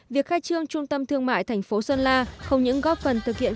việc khai trương trung tâm thương mại thành phố sơn la không những góp phần thực hiện